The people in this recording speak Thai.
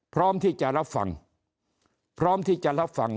พร้อมที่จะรับฟังพร้อมที่จะรับฟัง